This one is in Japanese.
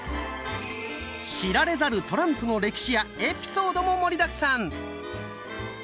知られざるトランプの歴史やエピソードも盛りだくさん！